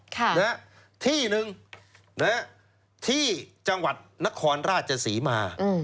ค่ะแล้วที่หนึ่งแล้วที่จังหวัดนครราชสีมาอืม